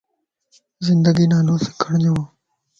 زندگي نالو سکڻ جو